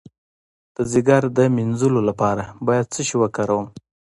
د ځیګر د مینځلو لپاره باید څه شی وکاروم؟